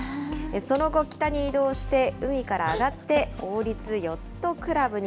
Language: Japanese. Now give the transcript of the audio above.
その後、北に移動して、海から上がって、王立ヨットクラブに。